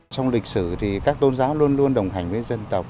trong lịch sử thì các tôn giáo luôn luôn đồng hành với dân tộc